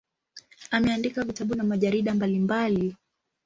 Ameandika vitabu na majarida mbalimbali.